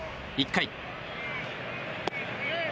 １回。